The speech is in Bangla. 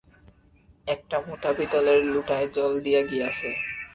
একটা মোটা পিতলের লোটায় জল দিয়া গিয়াছে।